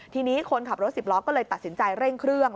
ทีนี้คนขับรถสิบล้อก็เลยตัดสินใจเร่งเครื่อง